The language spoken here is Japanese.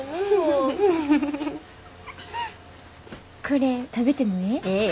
これ食べてもええ？